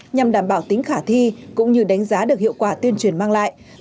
nhằm đảm bảo tính khả thi cũng như đánh giá được hiệu quả tuyên truyền mang lại